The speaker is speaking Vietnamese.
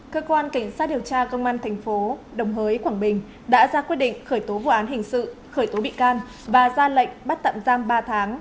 cơ quan cảnh sát điều tra công an thành phố đồng hới quảng bình đã ra quyết định khởi tố vụ án hình sự khởi tố bị can và ra lệnh bắt tạm giam ba tháng